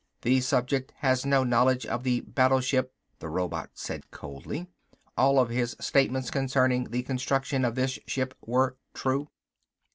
"The subject has no knowledge of the battleship," the robot said coldly. "All of his statements concerning the construction of this ship were true."